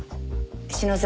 篠崎